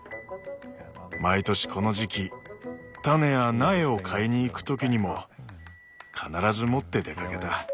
毎年この時期種や苗を買いにいく時にも必ず持って出かけた。